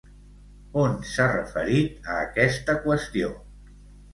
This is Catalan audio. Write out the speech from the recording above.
On s'ha referit a aquesta qüestió?